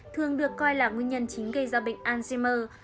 thường được coi là nguyên nhân chính gây ra bệnh alzhimer